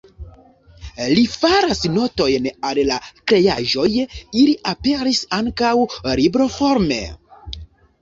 Li faras notojn al la kreaĵoj, ili aperis ankaŭ libroforme.